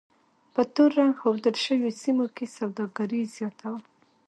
په تور رنګ ښودل شویو سیمو کې سوداګري زیاته وه.